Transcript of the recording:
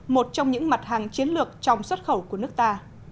một trong những mặt hàng chiến lược trong xuất khẩu của nước ta